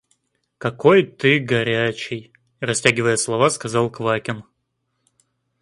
Какой ты горячий! – растягивая слова, сказал Квакин.